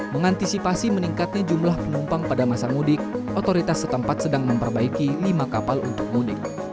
mengantisipasi meningkatnya jumlah penumpang pada masa mudik otoritas setempat sedang memperbaiki lima kapal untuk mudik